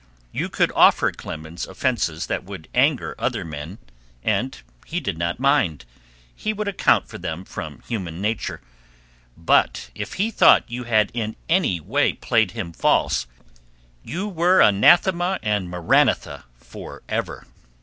You could offer Clemens offences that would anger other men and he did not mind; he would account for them from human nature; but if he thought you had in any way played him false you were anathema and maranatha forever.